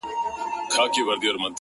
نو د یو شمېر اوسمهالو